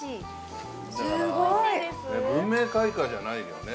文明開化じゃないよね。